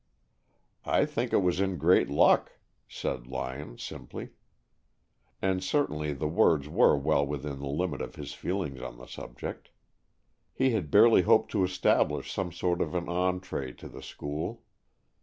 "I think I was in great luck," said Lyon simply. And certainly the words were well within the limit of his feelings on the subject. He had barely hoped to establish some sort of an entrée to the school.